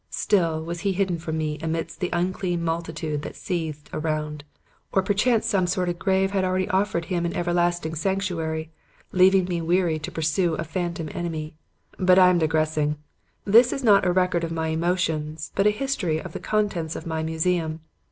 Still was he hidden from me amidst the unclean multitude that seethed around; or perchance some sordid grave had already offered him an everlasting sanctuary, leaving me wearily to pursue a phantom enemy. "But I am digressing. This is not a record of my emotions, but a history of the contents of my museum.